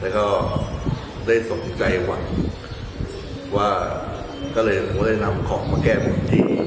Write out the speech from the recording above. แล้วก็ได้สนใจกว่าว่าก็เลยว่าได้นำของมาแก้หมดที่